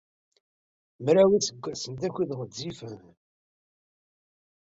Mraw n yiseggasen d akud ɣezzifen.